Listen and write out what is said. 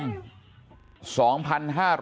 ค่ะ